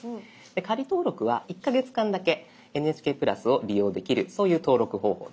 「仮登録」は１か月間だけ「ＮＨＫプラス」を利用できるそういう登録方法です。